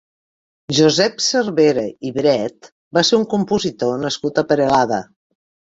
Josep Cervera i Bret va ser un compositor nascut a Peralada.